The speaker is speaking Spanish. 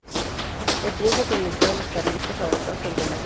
El triunfo permitió a los carlistas avanzar sobre Madrid.